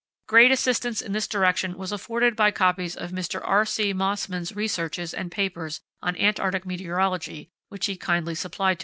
Great assistance in this direction was afforded by copies of Mr. R. C. Mossmann's researches and papers on Antarctic meteorology, which he kindly supplied to us.